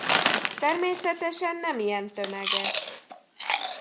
Természetesen nem ilyen tömeges.